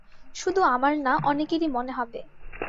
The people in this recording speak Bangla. শুধু আমার না, অনেকেরই মনে হবে।